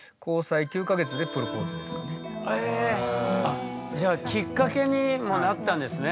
あっじゃあきっかけにもなったんですね。